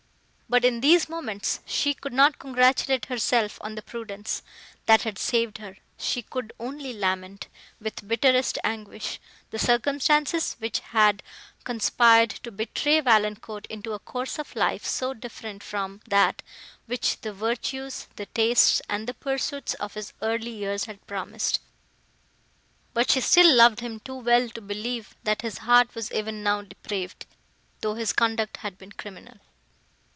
But in these moments she could not congratulate herself on the prudence, that had saved her; she could only lament, with bitterest anguish, the circumstances, which had conspired to betray Valancourt into a course of life so different from that, which the virtues, the tastes, and the pursuits of his early years had promised; but she still loved him too well to believe, that his heart was even now depraved, though his conduct had been criminal.